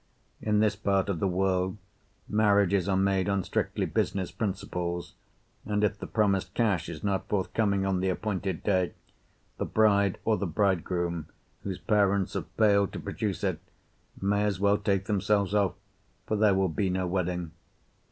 In this part of the world marriages are made on strictly business principles, and if the promised cash is not forthcoming on the appointed day the bride or the bridegroom whose parents have failed to produce it may as well take themselves off, for there will be no wedding.